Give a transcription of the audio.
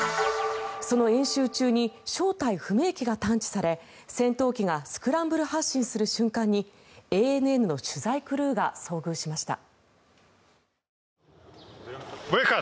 その演習中に正体不明機が探知され戦闘機がスクランブル発進する瞬間にＡＮＮの取材クルーが遭遇しました。